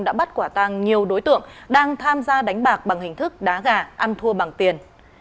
đã bắt quả tăng nhiều đối tượng đang tham gia đánh bạc bằng hình thức đá gà ăn thua bằng tiền